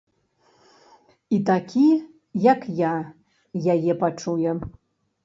І такі, як я, яе пачуе.